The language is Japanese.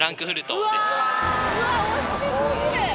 うわ惜し過ぎる！